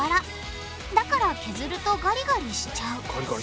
だから削るとガリガリしちゃう。